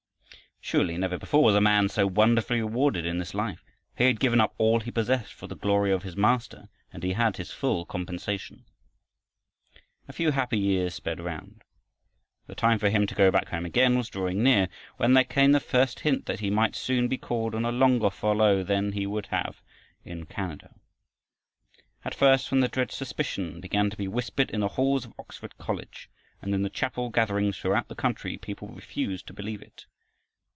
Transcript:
Surely never before was a man so wonderfully rewarded in this life. He had given up all he possessed for the glory of his Master and he had his full compensation. A few happy years sped round. The time for him to go back home again was drawing near when there came the first hint that he might soon be called on a longer furlough than he would have in Canada. At first, when the dread suspicion began to be whispered in the halls of Oxford College and in the chapel gatherings throughout the country, people refused to believe it.